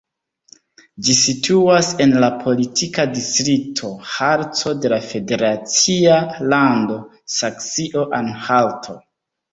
Ĝi situas en la politika distrikto Harco de la federacia lando Saksio-Anhalto.